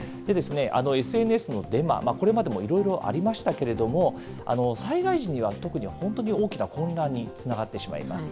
ＳＮＳのデマ、これまでもいろいろありましたけれども、災害時には特に本当に大きな混乱につながってしまいます。